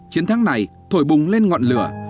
chiến thắng này thổi bùng lên ngọn lửa